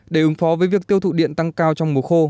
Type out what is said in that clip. để ứng phó với việc tiêu thụ điện tăng cao trong mùa khô